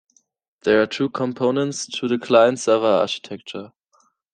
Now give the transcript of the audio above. There are two components to the client-server architecture.